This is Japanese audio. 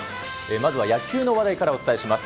まずは野球の話題からお伝えします。